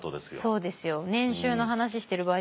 そうですよ。